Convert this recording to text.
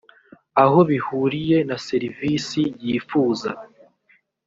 aho bihuriye na serivisi yifuza